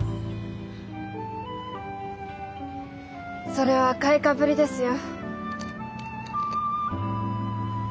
それは買いかぶりですよ。